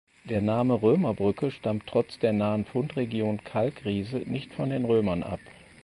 Der Name Römerbrücke stammt trotz der nahen Fundregion Kalkriese nicht von den Römern ab.